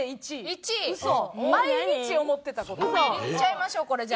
いっちゃいましょうこれじゃあ。